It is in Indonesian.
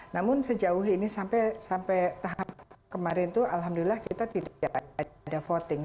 namun sejauh ini sampai tahap kemarin itu alhamdulillah kita tidak ada voting